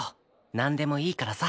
なんでもいいからさ。